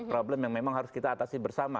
problem yang memang harus kita atasi bersama